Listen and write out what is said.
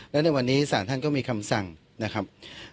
และในวันนี้ศาลท่านก็มีคำสั่งนะครับ